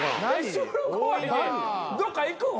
どっか行くん？